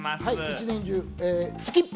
一年中スキップ。